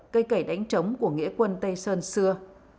cây cẩy đánh trống của nghĩa quân tây sơn xưa